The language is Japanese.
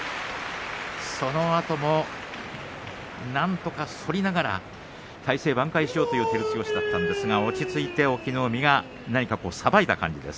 そのあともなんとかそりながら体勢を挽回しようという照強だったんですが落ち着いて隠岐の海がさばいた感じです。